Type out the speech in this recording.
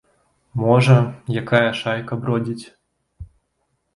Можа, якая шайка бродзіць.